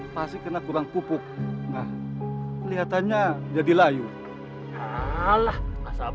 biar dia digajak gajak